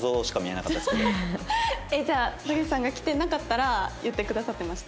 じゃあ竹内さんが来てなかったら言ってくださってました？